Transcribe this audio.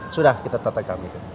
sudah kita tetapkan begitu